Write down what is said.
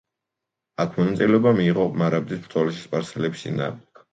აქ მონაწილეობა მიიღო მარაბდის ბრძოლაში სპარსელების წინააღმდეგ.